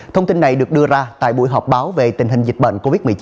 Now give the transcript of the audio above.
thông tin này được đưa ra tại buổi họp báo về tình hình dịch bệnh covid một mươi chín